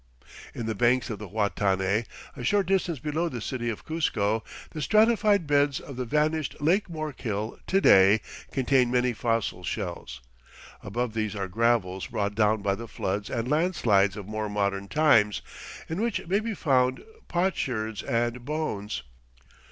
In the banks of the Huatanay, a short distance below the city of Cuzco, the stratified beds of the vanished Lake Morkill to day contain many fossil shells. Above these are gravels brought down by the floods and landslides of more modern times, in which may be found potsherds and bones.